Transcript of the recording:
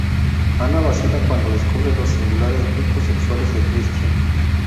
Ana vacila cuando descubre los singulares gustos sexuales de Christian.